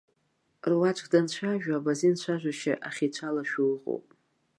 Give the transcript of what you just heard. Руаӡәк данцәажәо абазин цәажәашьа ахьицәалашәо ыҟоуп.